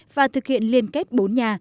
và thực hiện liên kết bốn nhà